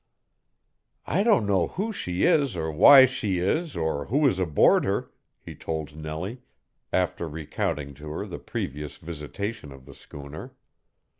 "I don't know who she is or why she is or who is aboard her," he told Nellie, after recounting to her the previous visitation of the schooner.